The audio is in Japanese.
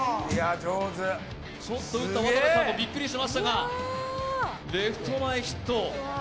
ちょっと打った渡部さんもびっくりしましたが、レフト前ヒット。